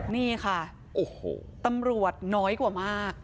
นี่ค่ะโอ้โหตำรวจน้อยกว่ามาก